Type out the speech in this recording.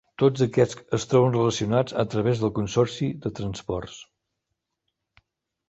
Tots aquests es troben relacionats a través del Consorci de Transports.